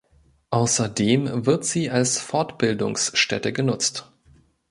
Außerdem wird sie als Fortbildungsstätte genutzt.